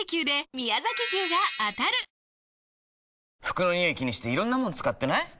服のニオイ気にしていろんなもの使ってない？